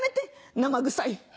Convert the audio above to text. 生臭い。